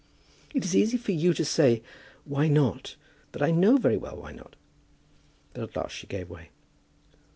"It is easy for you to say, Why not? but I know very well why not." But at last she gave way.